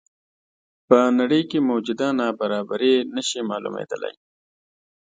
په نړۍ کې موجوده نابرابري نه شي معلومېدلی.